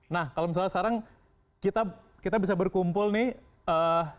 nah kalau misalnya sekarang kita bisa berkumpul nih